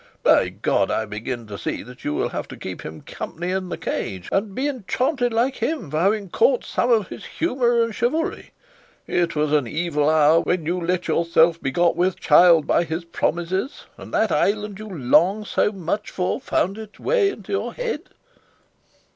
By God, I begin to see that you will have to keep him company in the cage, and be enchanted like him for having caught some of his humour and chivalry. It was an evil hour when you let yourself be got with child by his promises, and that island you long so much for found its way into your head."